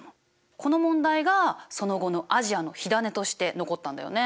この問題がその後のアジアの火種として残ったんだよね。